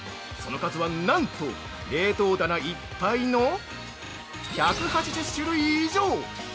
その数はなんと、冷凍棚いっぱいの１８０種類以上！